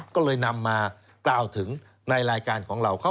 ก็เลยนำมากล่าวถึงในรายการของเรา